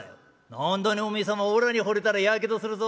「何だねお前様おらにほれたらやけどするぞ」。